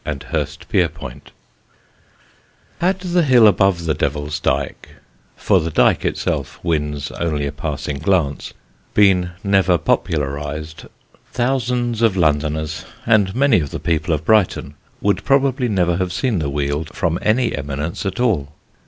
_] Had the hill above the Devil's Dyke for the Dyke itself wins only a passing glance been never popularised, thousands of Londoners, and many of the people of Brighton, would probably never have seen the Weald from any eminence at all.